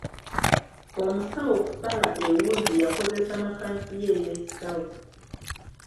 Omusawo okusala ewuzi yakozesa makansi ye ey'ekisawo.